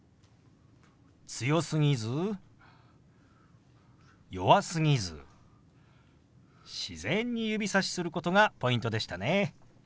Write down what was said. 強すぎず弱すぎず自然に指さしすることがポイントでしたね。